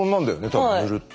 多分塗るって。